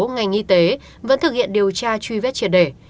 ngành y tế vẫn thực hiện điều tra truy vết triệt để